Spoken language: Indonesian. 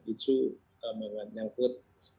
isu yang menyangkut